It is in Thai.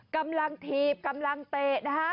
กำลังถีบกำลังเตะนะฮะ